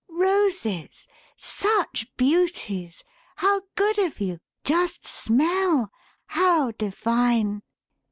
"Roses! Such beauties! How good of you! Just smell! How divine!"